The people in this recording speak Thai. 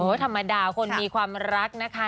ธรรมดาคนมีความรักนะคะ